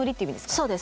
そうです。